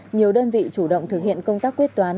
nhiều đơn vị chủ động thực hiện công tác quyết toán